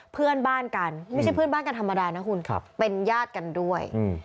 เพื่อนบ้านกันไม่ใช่เพื่อนบ้านกันธรรมดานะคุณเป็นญาติกันด้วย